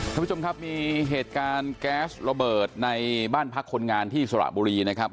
ท่านผู้ชมครับมีเหตุการณ์แก๊สระเบิดในบ้านพักคนงานที่สระบุรีนะครับ